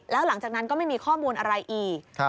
แล้วหลังจากนั้นก็ไม่มีข้อมูลอะไรอีก